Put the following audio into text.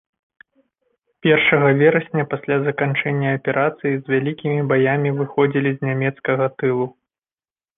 Першага верасня, пасля заканчэння аперацыі, з вялікімі баямі выходзілі з нямецкага тылу.